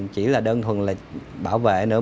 chỉ là đơn thuần là bảo vệ nữa